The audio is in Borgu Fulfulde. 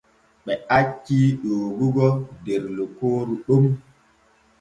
Ɓe acci ƴoogogo der lokooru ɗon.